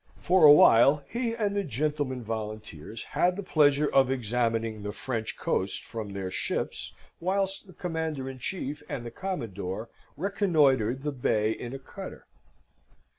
For a while he and the gentlemen volunteers had the pleasure of examining the French coast from their ships, whilst the Commander in Chief and the Commodore reconnoitred the bay in a cutter.